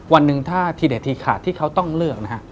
วันหนึ่งถ้าทีเด็ดทีขาดที่เขาต้องเลือกนะฮะ